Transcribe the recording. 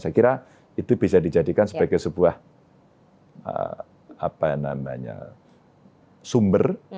saya kira itu bisa dijadikan sebagai sebuah sumber